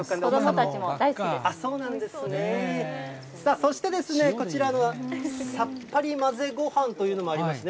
そして、こちらのさっぱり混ぜご飯というのもありますね。